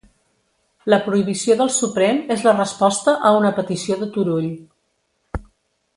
La prohibició del Suprem és la resposta a una petició de Turull